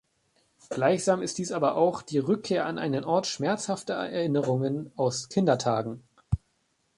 Gleichsam ist dies aber auch die Rückkehr an einen Ort schmerzhafter Erinnerungen aus Kindertagen.